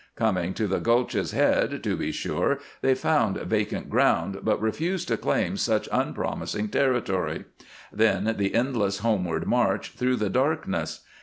Coming to the gulch's head, to be sure, they found vacant ground, but refused to claim such unpromising territory. Then the endless homeward march through the darkness!